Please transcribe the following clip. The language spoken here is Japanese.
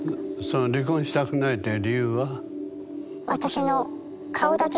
その離婚したくないって理由は？